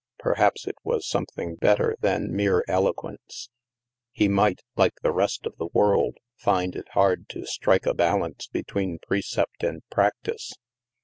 Perhaps it was something better than mere elo quence. He might, like the rest of the world, find it hard to strike a balance between precept and practice.